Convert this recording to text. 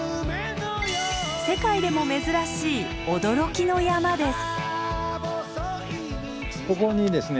世界でも珍しい驚きの山です。